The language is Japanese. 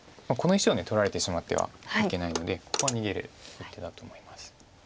この石を取られてしまってはいけないのでここは逃げる一手だと思います。